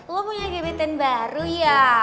lo punya camitten baru ya